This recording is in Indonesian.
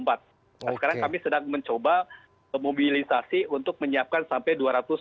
nah sekarang kami sedang mencoba pemobilisasi untuk menyiapkan sampai dua ratus dua puluh empat